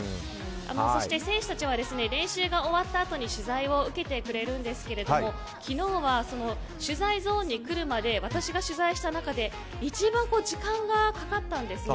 そして、選手たちは練習が終わったあとに取材を受けてくれるんですが昨日は取材ゾーンに来るまで私が取材した中で一番時間がかかったんですね。